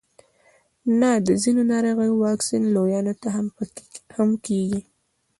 نه د ځینو ناروغیو واکسین لویانو ته هم کیږي